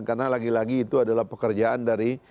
karena lagi lagi itu adalah pekerjaan dari